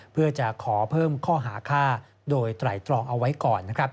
เพื่อจะขอเพิ่มข้อหาฆ่าโดยไตรตรองเอาไว้ก่อน